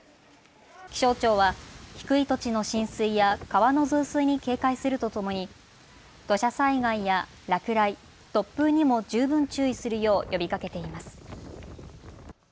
気象庁は低い土地の浸水や川の増水に警戒するとともに土砂災害や落雷、突風にも十分注意するよう呼びかけています。